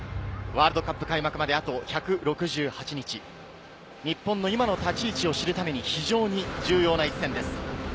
ワールドカップ開幕まであと１６８日、日本の今の立ち位置を知るために非常に重要な一戦です。